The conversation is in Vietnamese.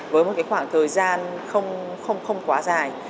với một khoảng thời gian không quá dài